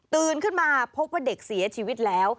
ขึ้นมาพบว่าเด็กเสียชีวิตแล้ว